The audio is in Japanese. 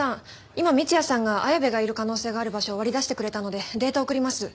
今三ツ矢さんが綾部がいる可能性がある場所を割り出してくれたのでデータを送ります。